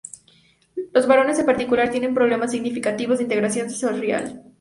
Los varones en particular tienen problemas significativos de integración sensorial.